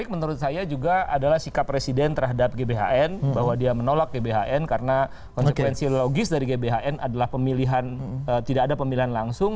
menurut saya juga adalah sikap presiden terhadap gbhn bahwa dia menolak gbhn karena konsekuensi logis dari gbhn adalah pemilihan tidak ada pemilihan langsung